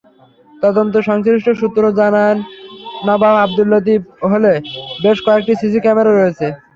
তদন্ত-সংশ্লিষ্ট সূত্র জানায়, নবাব আবদুল লতিফ হলে বেশ কয়েকটি সিসি ক্যামেরা রয়েছে।